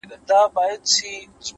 خداى پاماني كومه ـ